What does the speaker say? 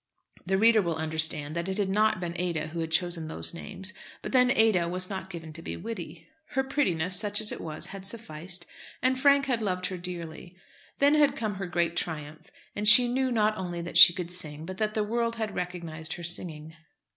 The reader will understand that it had not been Ada who had chosen those names; but then Ada was not given to be witty. Her prettiness, such as it was, had sufficed, and Frank had loved her dearly. Then had come her great triumph, and she knew not only that she could sing, but that the world had recognised her singing.